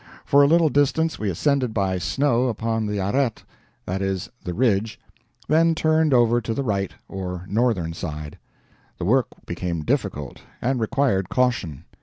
For a little distance we ascended by snow upon the ARÊTE that is, the ridge then turned over to the right, or northern side. The work became difficult, and required caution.